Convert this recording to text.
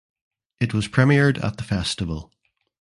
It was premiered at the festival.